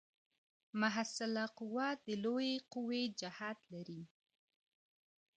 محصله قوه د لویې قوې جهت لري.